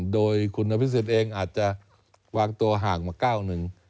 โดยคุณอภิษฎเองอาจจะวางตัวห่างมาก้าวหนึ่ง